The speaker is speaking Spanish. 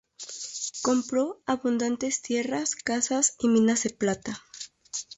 Compró abundantes tierras, casas y minas de plata.